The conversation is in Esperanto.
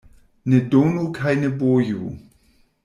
Ne donu kaj ne boju.